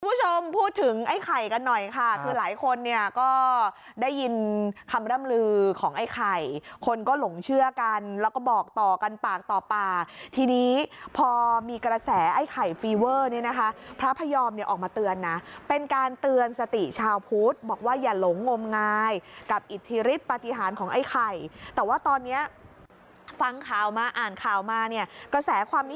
คุณผู้ชมพูดถึงไอ้ไข่กันหน่อยค่ะคือหลายคนเนี่ยก็ได้ยินคำร่ำลือของไอ้ไข่คนก็หลงเชื่อกันแล้วก็บอกต่อกันปากต่อปากทีนี้พอมีกระแสไอ้ไข่ฟีเวอร์เนี่ยนะคะพระพยอมเนี่ยออกมาเตือนนะเป็นการเตือนสติชาวพุทธบอกว่าอย่าหลงงมงายกับอิทธิฤทธิปฏิหารของไอ้ไข่แต่ว่าตอนเนี้ยฟังข่าวมาอ่านข่าวมาเนี่ยกระแสความ